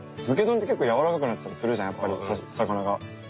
漬け丼って結構やわらかくなってたりするじゃんやっぱり魚が。